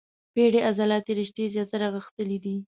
پېړې عضلاتي رشتې زیاتره غښتلي دي.